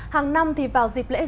hàng năm thì vào dịp lễ giáng